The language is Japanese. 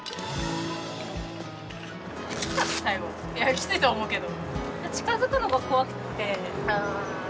きついと思うけど。